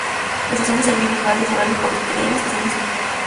La estación es servida en varios horarios por los trenes del servicio y